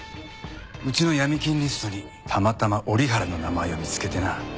うちの闇金リストにたまたま折原の名前を見つけてな。